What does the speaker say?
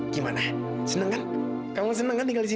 gimana seneng kan kamu seneng kan tinggal disini